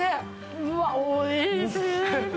うわおいしいな。